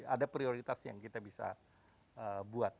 ada prioritas yang kita bisa buat